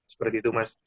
seperti itu mas